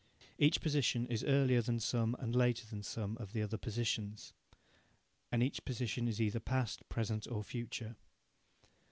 Each position is Earlier than some, and Later than some, of the other positions. And each position is either Past, Present, or Future.